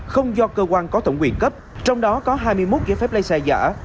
không do cơ quan có tổng quyền cấp trong đó có hai mươi một giấy phép lái xe giả